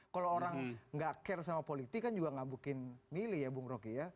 kalau orang nggak care sama politik kan juga ngambukin milih ya bu rogi ya